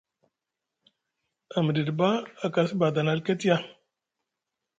A miɗidi ɓa a kasi badani alket ya.